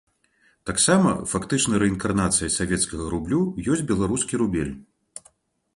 Таксама фактычна рэінкарнацыяй савецкага рублю ёсць беларускі рубель.